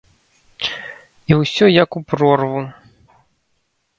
І ўсё як у прорву.